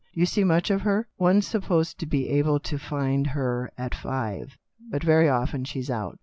"Do you see much of her ?"" One's supposed to be able to find her at five. But very often she's out."